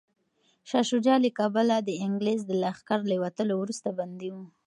شاه شجاع له کابله د انګلیس د لښکر له وتلو وروسته بندي و.